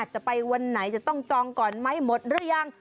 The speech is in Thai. จะไปวันไหนจะต้องจองก่อนไหมหมดหรือยัง